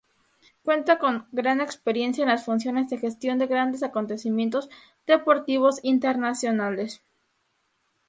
Cuenta con gran experiencia en las funciones de gestión de grandes acontecimientos deportivos internacionales.